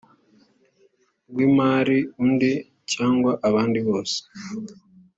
rw imari undi cyangwa abandi bose